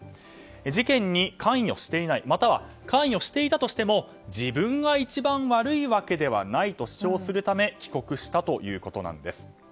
事件に関与していないまたは関与していたとしても自分が一番悪いわけではないと主張するため帰国したということです。